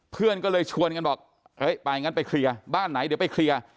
เพื่อนก็เลยชวนกันบอกเอ้ยไปงั้นไปเคลียร์บ้านไหนเดี๋ยวไปเคลียร์